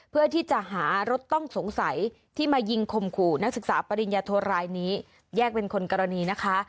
เพื่อที่จะหารถต้องสงสัยที่มายิงข่มขู่นักศึกษาปริญญาโทรายนี้แยกเป็นคนกรณีนะคะ